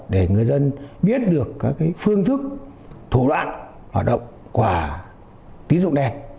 để người dân biết được các phương thức thủ đoạn hoạt động quả tín dụng đen